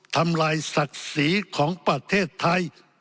ทำลายศักดิ์ศรีของประเทศไทย